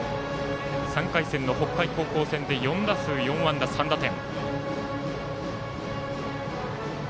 ３回戦の北海高校戦で４打数４安打３打点。